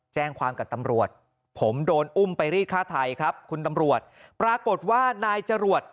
แจ้งความกับตำรวจผมโดนอุ้มไปรีดฆ่าไทยครับคุณตำรวจปรากฏว่านายจรวด